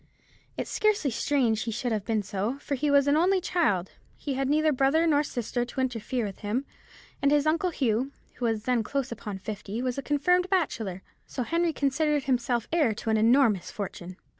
It's scarcely strange he should have been so, for he was an only child; he had neither brother nor sister to interfere with him; and his uncle Hugh, who was then close upon fifty, was a confirmed bachelor,—so Henry considered himself heir to an enormous fortune."